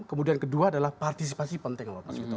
kemudian kedua adalah partisipasi penting